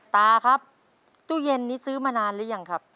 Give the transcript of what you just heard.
ตาครับตู้เย็นนี้ซื้อมานานหรือยังครับ